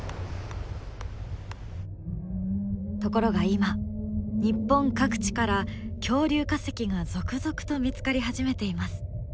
ところが今日本各地から恐竜化石が続々と見つかり始めています。